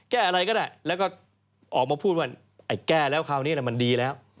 แก้อะไรก็ได้แล้วก็ออกมาพูดว่าไอ้แก้แล้วคราวนี้มันดีแล้ว